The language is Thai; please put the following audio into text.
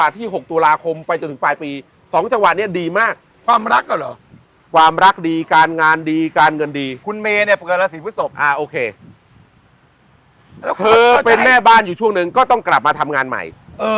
เธอเป็นแม่บ้านอยู่ช่วงหนึ่งก็ต้องกลับมาทำงานใหม่